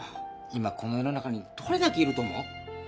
今この世の中にどれだけいると思う？